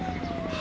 は？